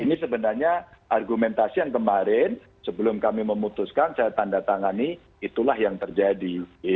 ini sebenarnya argumentasi yang kemarin sebelum kami memutuskan saya tanda tangani itulah yang terjadi